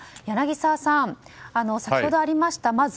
柳澤さん、先ほどありました